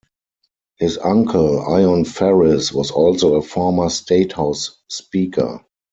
His uncle, Ion Farris, was also a former state House Speaker.